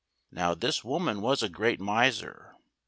Now this woman was a great miser.